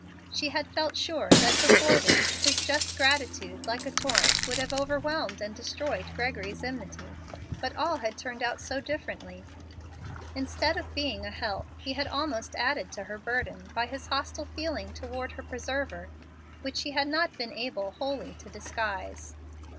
She had felt sure that before this his just gratitude, like a torrent, would have overwhelmed and destroyed Gregory's enmity. But all had turned out so differently! Instead of being a help, he had almost added to her burden by his hostile feeling toward her preserver, which he had not been able wholly to disguise.